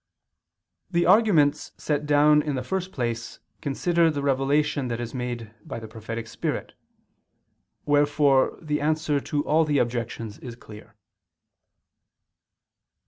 The arguments set down in the first place consider the revelation that is made by the prophetic spirit; wherefore the answer to all the objections is clear.